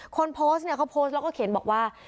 คนโพสต์เนี่ยเขาโพสต์แล้วก็เขียนบอกว่า